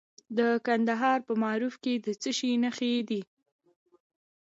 د کندهار په معروف کې د څه شي نښې دي؟